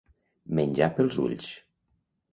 Menjar pels ulls.